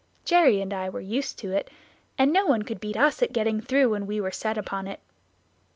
Jerry and I were used to it, and no one could beat us at getting through when we were set upon it.